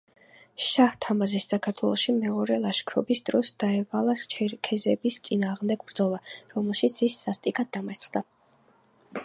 შაჰ-თამაზის საქართველოში მეორე ლაშქრობის დროს დაევალა ჩერქეზების წინააღმდეგ ბრძოლა, რომელშიც ის სასტიკად დამარცხდა.